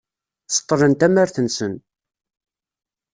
Seṭṭlen tamart-nsen.